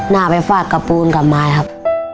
น่าไปฝาดกระปูนกับไม้ครับ